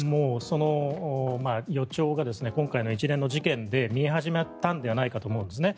その予兆が今回の一連の事件で見え始めたんではないかと思うんですね。